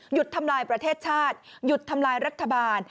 ทำลายประเทศชาติหยุดทำลายรัฐบาล